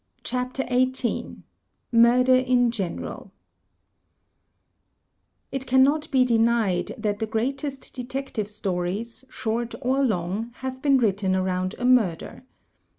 CHAPTER XVIII MURDER IN GENERAL It cannot be denied that the greatest Detective Stories, short or long, have been written around a murder.